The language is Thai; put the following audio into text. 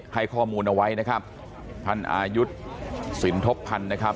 ให้ข้อมูลเอาไว้นะครับท่านอายุสินทบพันธ์นะครับ